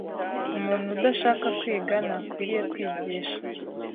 Umuntu udashaka kwiga ntakwiriye kwigisha